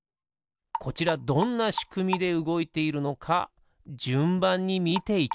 こちらどんなしくみでうごいているのかじゅんばんにみていきましょう。